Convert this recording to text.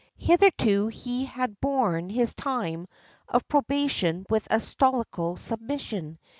Hitherto he had borne his time of probation with a stoical submission.